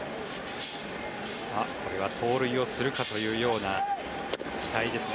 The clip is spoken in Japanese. これは盗塁をするかというような期待ですね。